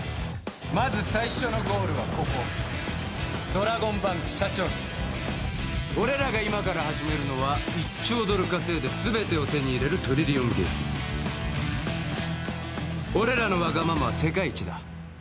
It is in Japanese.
まず最初のゴールはここドラゴンバンク社長室俺らが今から始めるのは１兆ドル稼いで全てを手に入れるトリリオンゲーム俺らのワガママは世界一だ